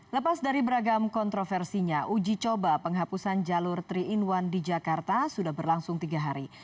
lepas dari beragam kontroversinya uji coba penghapusan jalur tiga in satu di jakarta sudah berlangsung tiga hari